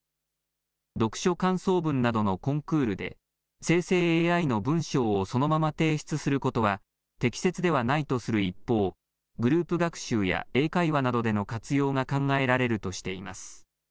読書感想文などのコンクールで生成ＡＩの文章をそのまま提出することは適切ではないとする一方、グループ学習や英会話などでの活用が考えられるとしています。